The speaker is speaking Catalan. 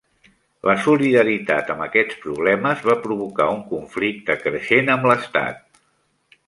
La solidaritat amb aquests problemes va provocar un conflicte creixent amb l'estat.